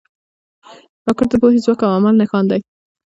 راکټ د پوهې، ځواک او عمل نښان دی